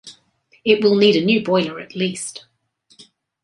It will need a new boiler at least.